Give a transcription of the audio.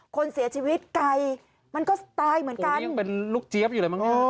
คนเสียชีวิตไก่มันก็ตายเหมือนกันโอร์นี่ยังเป็นลูกเจี้๊บอยู่แล้วมั้งนี้